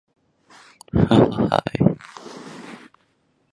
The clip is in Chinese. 这是中苏民航的苏联股份能够已交给我国自力经营的物质基础。